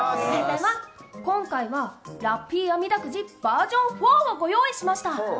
今回はラッピーあみだくじバージョン４をご用意しました。